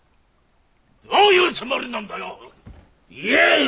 どういうつもりなんだよ！？言えよ！